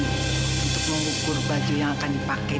untuk mengukur baju yang akan dipakai